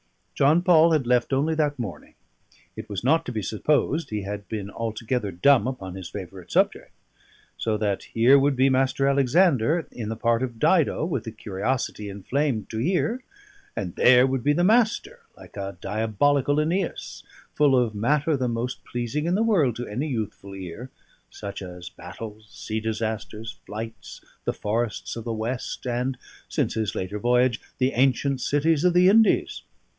John Paul had left only that morning; it was not to be supposed he had been altogether dumb upon his favourite subject: so that here would be Mr. Alexander in the part of Dido, with a curiosity inflamed to hear; and there would be the Master, like a diabolical Æneas, full of matter the most pleasing in the world to any youthful ear, such as battles, sea disasters, flights, the forests of the West, and (since his later voyage) the ancient cities of the Indies.